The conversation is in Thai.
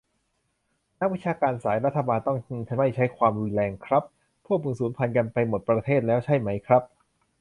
นักวิชาการสาย "รัฐบาลต้องไม่ใช้ความรุนแรง" ครับ พวกมึงสูญพันธุ์กันไปหมดประเทศแล้วใช่มั้ยครับ ?